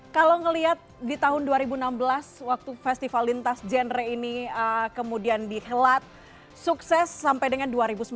kalau ngeliat di tahun dua ribu enam belas waktu festival lintas genre ini kemudian dihelat sukses sampai dengan dua ribu sembilan belas